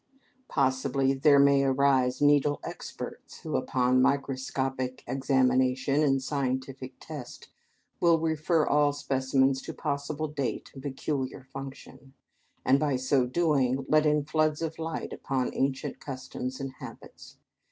Possibly there may arise needle experts who, upon microscopic examination and scientific test, will refer all specimens to positive date and peculiar function, and by so doing let in floods of light upon ancient customs and habits.